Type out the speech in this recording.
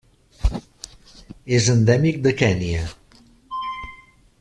És endèmic de Kenya.